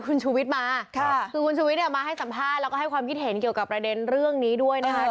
คุณชูวิทย์มาค่ะคือคุณชุวิตมาให้สัมภาษณ์แล้วก็ให้ความคิดเห็นเกี่ยวกับประเด็นเรื่องนี้ด้วยนะครับ